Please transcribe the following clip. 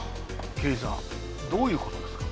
刑事さんどういうことですか？